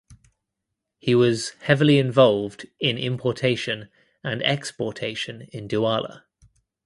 He was heavily involved in importation and exportation in Douala.